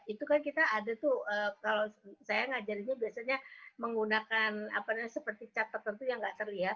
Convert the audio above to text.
itu kan kita ada tuh kalau saya ngajarinnya biasanya menggunakan seperti cat tertentu yang nggak terlihat